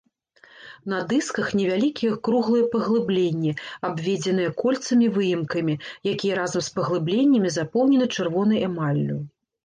На дысках невялікія круглыя паглыбленні, абведзеныя кольцамі-выемкамі, якія разам з паглыбленнямі запоўнены чырвонай эмаллю.